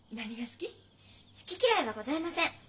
好き嫌いはございません。